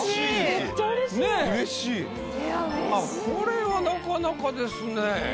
これはなかなかですね。